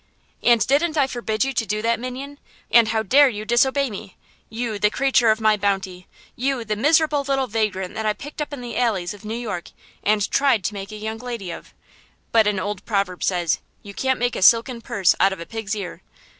"And didn't I forbid you to do that, minion? and how dare you disobey me? You the creature of my bounty; you, the miserable little vagrant that I picked up in the alleys of New York and tried to make a young lady of; but an old proverb says 'You can't make a silken purse out of a pig's ear.'